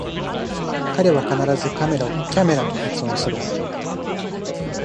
彼は必ずカメラをキャメラと発音する